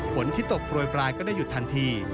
ฝนที่ตกโปรยปลายก็ได้หยุดทันที